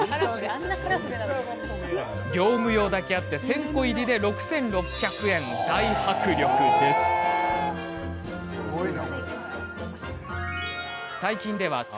業務用だけあって１０００個入りで６６００円の大迫力でございます。